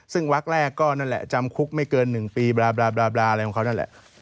ซึ่งวักแรกก็นั่นแหละจำคุกไม่เกิน๑ปีบราอะไรของเขานั่นแหละ